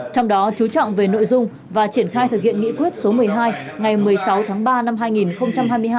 trong đó chú trọng về nội dung và triển khai thực hiện nghị quyết số một mươi hai ngày một mươi sáu tháng ba năm hai nghìn hai mươi hai